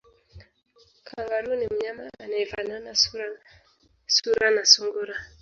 Kangaroo ni mnyama anayefanana sura na sungura